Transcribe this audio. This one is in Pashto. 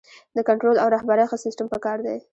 د کنټرول او رهبرۍ ښه سیستم پکار دی.